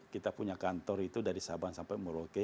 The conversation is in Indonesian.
kita punya kantor itu dari sabang sampai merauke